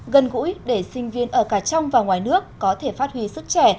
gần gũi để sinh viên ở cả trong và ngoài nước có thể phát huy sức trẻ